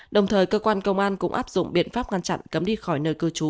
đồng thời cơ quan công an cũng áp dụng biện pháp ngăn chặn cấm đi khỏi nơi cư trú